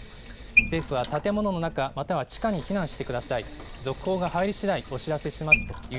政府は建物の中、または地下に避難してください。